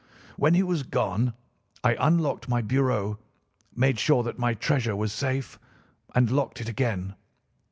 "When he was gone I unlocked my bureau, made sure that my treasure was safe, and locked it again.